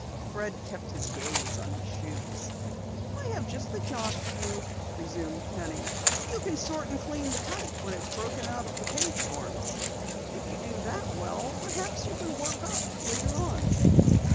Fred kept his gaze on his shoes. "I have just the job for you," resumed Penny. "You can sort and clean the type when it's broken out of the page forms. If you do that well, perhaps you can work up later on."